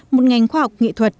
một ngành khoa học nghệ thuật